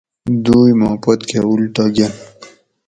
دوئی ما پتکہ اُلٹہ گۤن